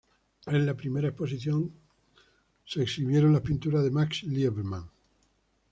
En la primera exposición se exhibieron las pinturas de Max Liebermann.